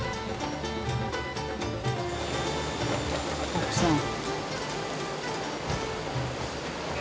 奥さん。